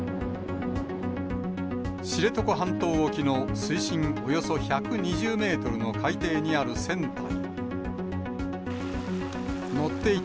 知床半島沖の水深およそ１２０メートルの海底にある船体。